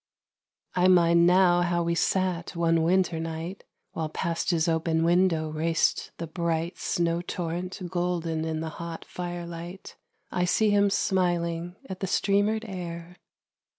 I mind now how we sat one winter night While past his open window raced the bright Snow torrent golden in the hot firelight.... I see him smiling at the streamered air.